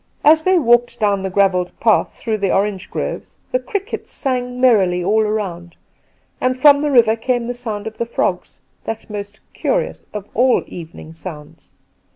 As they walked down the gravelled path through the orange groves the crickets sang merrily all around, and from the river came the sound of the frogs — that most curious of all evening sounds.